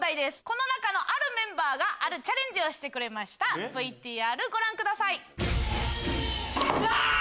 この中のあるメンバーがあるチャレンジをしてくれましたＶＴＲご覧ください。